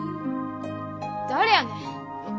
誰やねん？